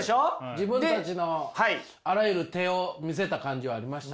自分たちのあらゆる手を見せた感じはありましたね。